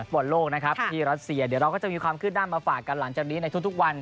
บอลโลกนะครับที่รัสเซียเดี๋ยวเราก็จะมีความคืบหน้ามาฝากกันหลังจากนี้ในทุกวัน